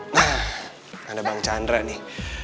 nah ada bang chandra nih